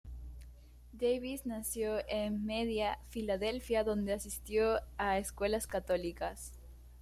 Davis nació en Media, Filadelfia, donde asistió a escuelas católicas.